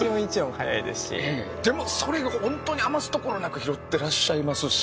でもそれがホントに余すところなく拾ってらっしゃいますし。